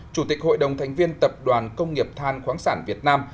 chủ tịch hội đồng thành viên tập đoàn công nghiệp than khoáng sản việt nam